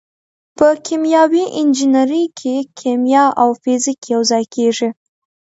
په کیمیاوي انجنیری کې کیمیا او فزیک یوځای کیږي.